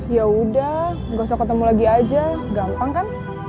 yaudah gak usah ketemu lagi aja gampang kan